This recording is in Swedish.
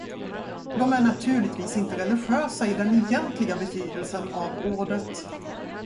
De är naturligtvis inte religiösa i den egentliga betydelsen av ordet.